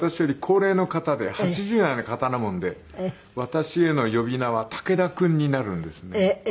８０代の方なもんで私への呼び名は「武田君」になるんですね。